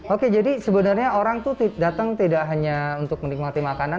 oke jadi sebenarnya orang itu datang tidak hanya untuk menikmati makanan